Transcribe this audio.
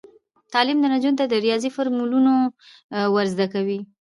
تعلیم نجونو ته د ریاضي فورمولونه ور زده کوي.